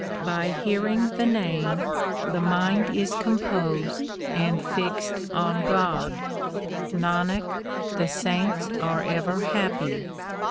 THE JAPJI 201 By hearing the Name the mind is composed and fixed on God. 1 Nanak, the saints are ever happy.